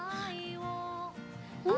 うん？